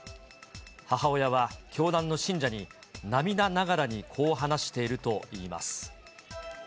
母親は教団の信者に、涙ながらにこう話しているといいます。